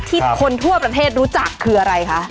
คนทั่วประเทศรู้จักคืออะไรคะ